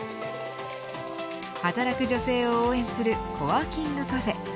働く女性を応援するコワーキングカフェ。